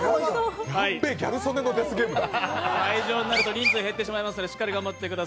やべぇ、ギャル曽根のデスゲームだ。